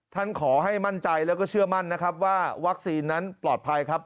ขอให้มั่นใจแล้วก็เชื่อมั่นนะครับว่าวัคซีนนั้นปลอดภัยครับ